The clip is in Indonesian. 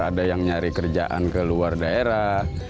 ada yang nyari kerjaan ke luar daerah